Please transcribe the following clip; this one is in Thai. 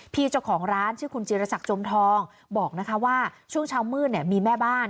พี่เจ้าของร้านชื่อคุณจิรษักจมทองบอกนะคะว่าช่วงเช้ามืดเนี่ยมีแม่บ้าน